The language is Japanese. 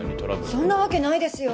そんなわけないですよ！